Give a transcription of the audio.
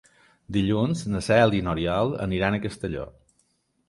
Dilluns na Cel i n'Oriol aniran a Castelló.